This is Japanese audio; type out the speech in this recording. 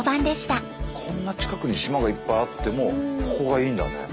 こんな近くに島がいっぱいあってもここがいいんだね。